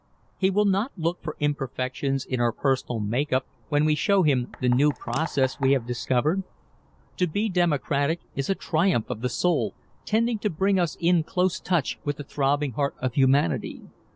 He will not look for imperfections in our personal make up when we show him the new process we have discovered. To be democratic is a triumph of the soul tending to bring us in close touch with the throbbing heart of humanity.